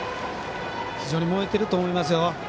非常に燃えていると思いますよ。